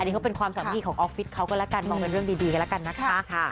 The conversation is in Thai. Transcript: ก็เป็นความสำหรับของออฟฟิศเขาก็ละกันมองเป็นเรื่องดีก็ละกันนะคะ